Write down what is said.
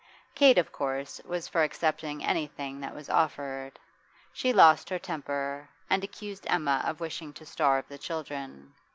Kate, of course, was for accepting anything that was offered; she lost her temper, and accused Emma of wishing to starve the children.